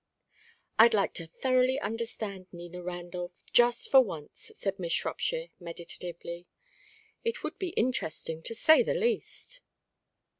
"I'd like to thoroughly understand Nina Randolph, just for once," said Miss Shropshire, meditatively. "It would be interesting, to say the least."